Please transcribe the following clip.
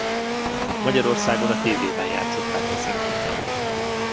Magyarországon a tévében játszották le szinkronnal.